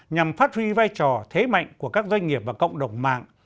nhằm phát huy vai trò thế mạnh của các doanh nghiệp và cộng đồng mạng